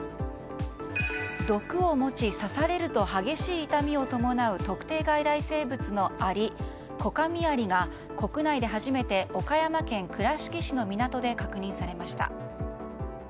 毒を持ち刺されると激しい痛みを伴う特定外来生物のアリコカミアリが国内で初めて岡山県倉敷市の港で確認されました。